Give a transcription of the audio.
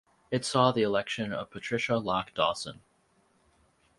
It saw the election of Patricia Lock Dawson.